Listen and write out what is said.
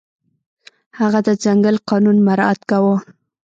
هغه د ځنګل قانون مراعت کاوه.